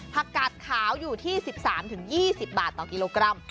ผักกาดขาวอยู่ที่๑๓๒๐บาทต่อกิโลกรัม